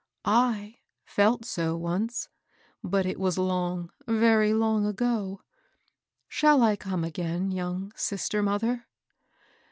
*' I felt so once ; but it was long, very long ago. Shall I come again, young sister mother